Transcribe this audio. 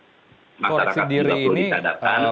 masyarakat sudah perlu ditadakan